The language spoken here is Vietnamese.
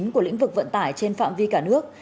của lĩnh vực vận tải trên phạm vi cả nước